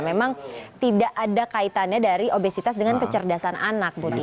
memang tidak ada kaitannya dari obesitas dengan kecerdasan anak buti